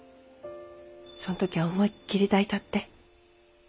そん時は思いっきり抱いたって。